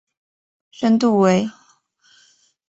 深度为。